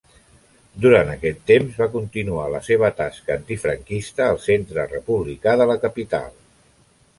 Durant aquest temps va continuar la seva tasca antifranquista al Centre Republicà de la capital.